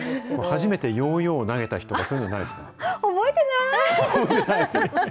初めてヨーヨーを投げた日とか、そういうのないですか？